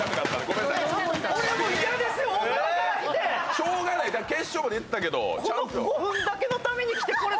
しようがない決勝までいったけど。